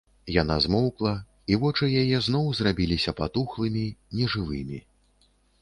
Яна змоўкла, і вочы яе зноў зрабіліся патухлымі, нежывымі.